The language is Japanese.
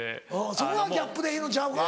そこがギャップでええのんちゃうか？